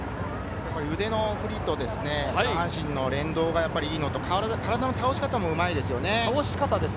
腕の振りと下半身の連動がいいのと体の倒し方もうまいですね。